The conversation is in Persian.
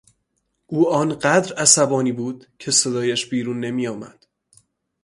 او آن قدر عصبانی بود که صدایش بیرون نمیآمد.